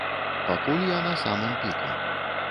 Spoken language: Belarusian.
Пакуль я на самым піку.